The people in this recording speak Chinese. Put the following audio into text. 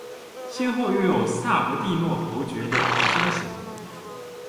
先后拥有萨博蒂诺侯爵两个封衔。